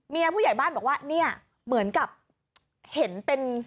ผู้ใหญ่บ้านบอกว่าเนี่ยเหมือนกับเห็นเป็น